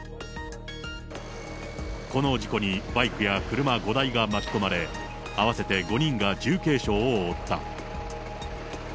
この事故にバイクや車５台が巻き込まれ、合わせて５人が重軽傷を負った。